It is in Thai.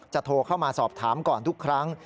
โทรเข้ามาสอบถามก่อนทุกครั้ง